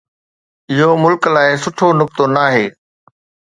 اِهو ملڪ لاءِ سٺو نُڪتو ناهي.